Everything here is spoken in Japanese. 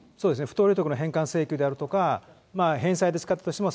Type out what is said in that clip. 不当利得の返還請求であるとか、返済で使ったとしても、